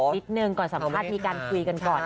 นิดนึงก่อนสัมภาษณ์มีการคุยกันก่อน